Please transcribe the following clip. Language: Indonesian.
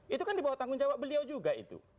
itu kan dibawa tanggung jawab beliau juga itu